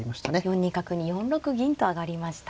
４二角に４六銀と上がりました。